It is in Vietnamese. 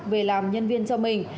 về làm nhân viên cho mình